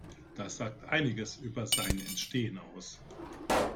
Das sagt einiges über sein Entstehen aus.